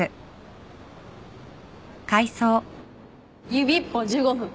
指一本１５分